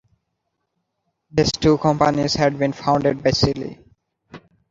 These two companies had been founded by Seely.